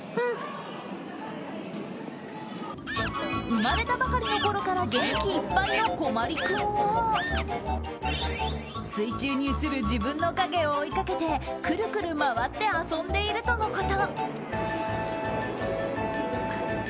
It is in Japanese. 生まれたばかりのころから元気いっぱいのこまり君は水中に映る自分の影を追いかけてくるくる回って遊んでいるとのこと。